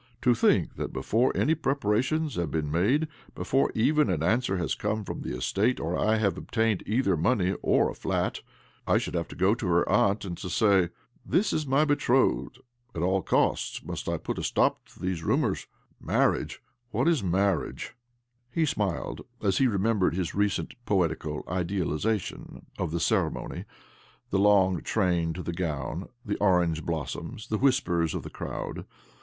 To think that before any preparations have been made ■T before even an answer has come from the estate, or I have obtained either money or 2o8 OBLOMOV a flat — I should have to go to her aunt, and to say :' This is my betrothed !' At all costs must I put a stop to these rumours. Marriage ! What is marriage ?" He smiled as he remembered his recent poetical idealization of the ceremony— the long train to the gown, the orange blossoms, the whispers of the crowd.